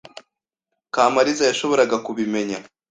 Kamariza yashoboraga kubimenya.